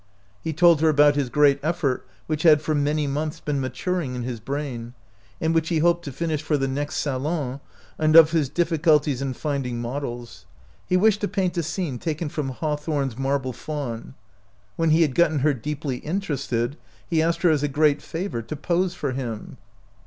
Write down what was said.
He told her about his great effort which had for many months been maturing in his brain, and which he hoped to finish for the next salon, and of his difficulties in finding models. He wished to paint a scene taken from Hawthorne's " Marble Faun." When he had gotten her deeply interested he asked her as a great favor to pose for him.